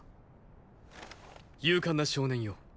勇敢な少年よ